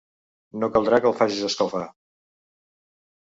No caldrà que el facis escalfar.